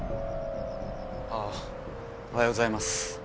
あおはようございます。